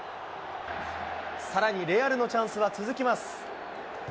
さらに、レアルのチャンスは続きます。